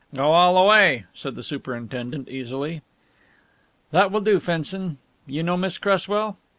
"Go all the way," said the superintendent easily. "That will do, Fenson. You know Miss Cresswell?"